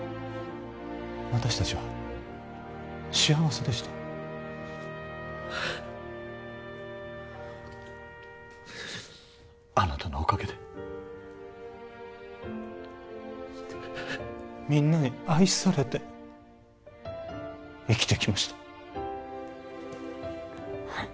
私達は幸せでしたあなたのおかげでみんなに愛されて生きてきました